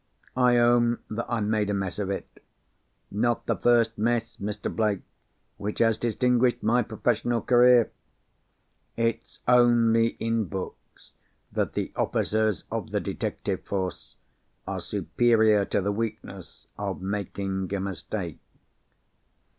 I own that I made a mess of it. Not the first mess, Mr. Blake, which has distinguished my professional career! It's only in books that the officers of the detective force are superior to the weakness of making a mistake."